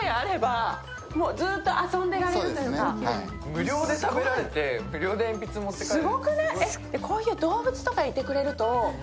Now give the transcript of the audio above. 無料で食べられて、無料でえんぴつ持って帰れる。